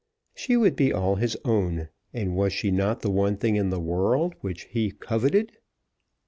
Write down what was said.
She would be all his own, and was she not the one thing in the world which he coveted?